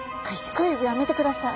クイズやめてください。